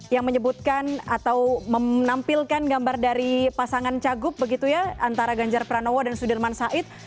yang menyebutkan atau menampilkan gambar dari pasangan cagup begitu ya antara ganjar pranowo dan sudirman said